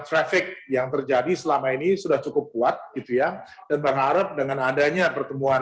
traffic yang terjadi selama ini sudah cukup kuat gitu ya dan berharap dengan adanya pertemuan